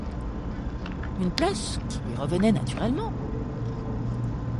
Une place qui lui revenait naturellement.